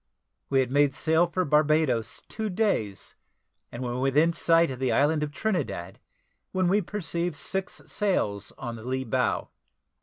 We had made sail for Barbadoes two days, and were within sight of the island of Trinidad, when we perceived six sail on the lee bow.